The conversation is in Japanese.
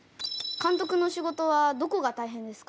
監督の仕事はどこが大変ですか？